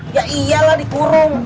ya iyalah dikurung